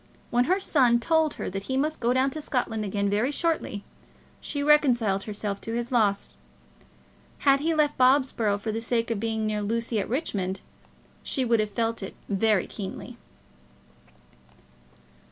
When her son told her that he must go down to Scotland again very shortly, she reconciled herself to his loss. Had he left Bobsborough for the sake of being near Lucy at Richmond, she would have felt it very keenly.